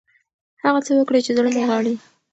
هغه څه وکړئ چې زړه مو غواړي.